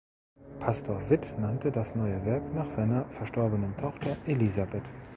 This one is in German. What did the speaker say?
Pastor Witt nannte das neue Werk nach seiner verstorbenen Tochter Elisabeth.